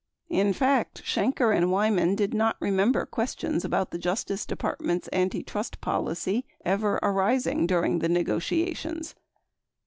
In fact, Shenker and Wyman did not remember questions about the Justice Department's antitrust pol icy ever arising during the negotiations.